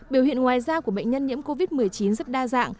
biểu hiện ngoài da của bệnh nhân nhiễm covid một mươi chín rất đa dạng